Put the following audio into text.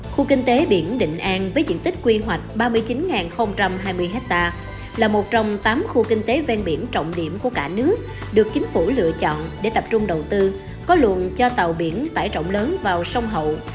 khu kinh tế biển định an với diện tích quy hoạch ba mươi chín hai mươi hectare là một trong tám khu kinh tế ven biển trọng điểm của cả nước được chính phủ lựa chọn để tập trung đầu tư có luận cho tàu biển tải trọng lớn vào sông hậu